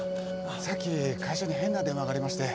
さっき会社に変な電話がありまして。